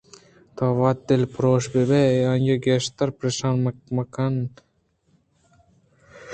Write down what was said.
تو وت دلپرٛوش بہ بئے ءُآئی ءَ گیشتر پریشان بہ کنئے پرچاکہ تئی واہگ ءِ پدا کار مہ بیت